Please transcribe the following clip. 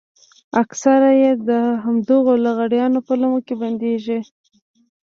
اکثره يې د همدغو لغړیانو په لومه کې بندېږي.